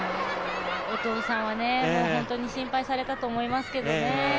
お父さんは本当に心配されたと思いますけどね